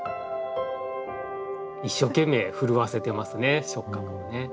一生懸命振るわせてますね触角をね。